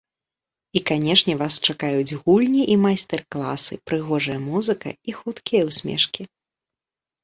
І канешне вас чакаюць гульні і майстар-классы, прыгожая музыка і хуткія усмешкі!